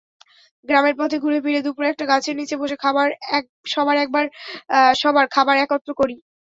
গ্রামের পথে ঘুরেফিরে দুপুরে একটা গাছের নিচে বসে সবার খাবার একত্র করি।